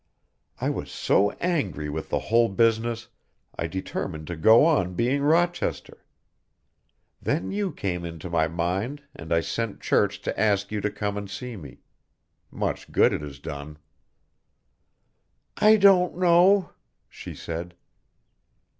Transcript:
I was so angry with the whole business, I determined to go on being Rochester then you came into my mind and I sent Church to ask you to come and see me much good it has done." "I don't know," she said.